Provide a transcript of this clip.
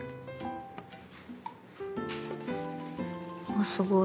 あすごい。